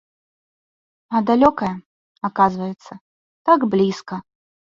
А далёкае, аказваецца, так блізка.